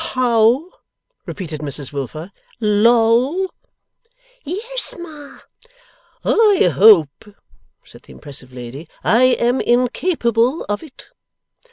'How!' repeated Mrs Wilfer. 'Loll!' 'Yes, Ma.' 'I hope,' said the impressive lady, 'I am incapable of it.